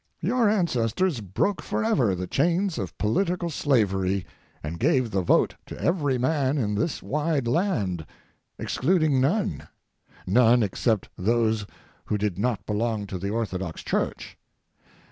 Your ancestors broke forever the chains of political slavery, and gave the vote to every man in this wide land, excluding none!—none except those who did not belong to the orthodox church.